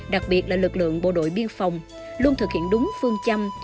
đặc biệt là lực lượng bộ đội biên phòng luôn thực hiện đúng phương châm